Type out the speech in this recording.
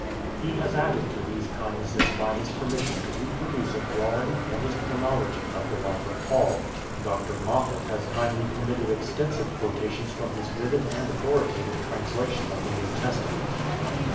He has added to these kindnesses by his permission to reproduce a drawing and his Chronology of the life of Paul. Dr. Moffat has kindly permitted extensive quotations from his vivid and authoritative translation of the New Testament.